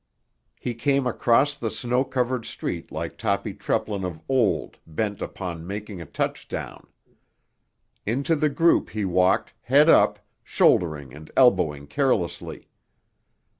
He came across the snow covered street like Toppy Treplin of old bent upon making a touchdown. Into the group he walked, head up, shouldering and elbowing carelessly.